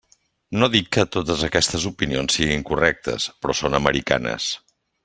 No dic que totes aquestes opinions siguin correctes, però són americanes.